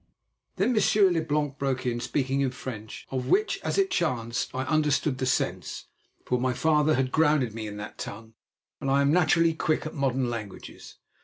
Then Monsieur Leblanc broke in, speaking in French, of which, as it chanced I understood the sense, for my father had grounded me in that tongue, and I am naturally quick at modern languages.